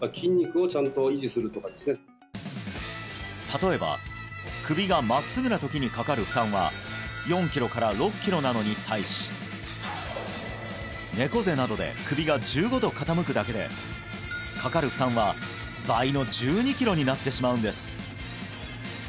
例えば首が真っすぐなときにかかる負担は４キロから６キロなのに対し猫背などで首が１５度傾くだけでかかる負担は倍の１２キロになってしまうんです